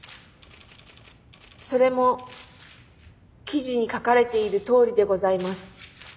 それも記事に書かれているとおりでございます。